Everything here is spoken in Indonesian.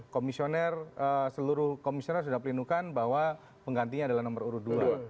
komisioner seluruh komisioner sudah pelindungkan bahwa penggantinya adalah nomor urut dua